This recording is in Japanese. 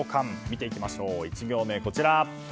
見ていきましょう、１行目。